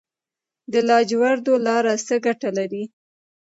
د لاجوردو لاره څه ګټه لري؟